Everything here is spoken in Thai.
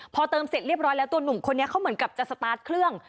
พอเติมเสร็จเรียบร้อยแล้วตัวหนุ่มคนนี้เขาเหมือนกับจะสตาร์ทเครื่อง